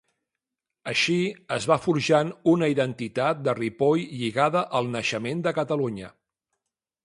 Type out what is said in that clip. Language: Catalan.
Així es va forjant una identitat de Ripoll lligada al naixement de Catalunya.